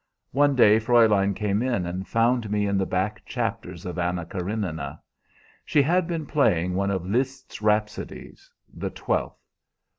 One day Fräulein came in and found me in the back chapters of 'Anna Karénina.' She had been playing one of Lizst's rhapsodies the twelfth.